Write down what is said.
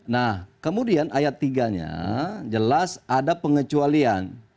nah kemudian ayat tiganya jelas ada pengecualian